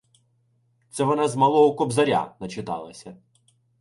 — Це вона з малого "Кобзаря" начиталася.